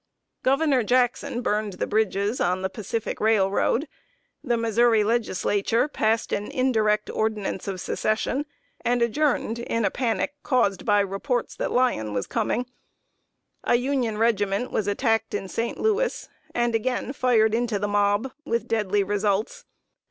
] Governor Jackson burned the bridges on the Pacific Railroad; the Missouri Legislature passed an indirect ordinance of Secession, and adjourned in a panic, caused by reports that Lyon was coming; a Union regiment was attacked in St. Louis, and again fired into the mob, with deadly results.